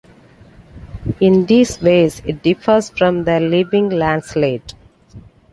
In these ways, it differs from the living lancelet.